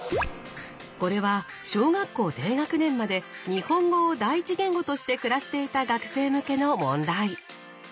これは小学校低学年まで日本語を第一言語として暮らしていた学生向けの問題。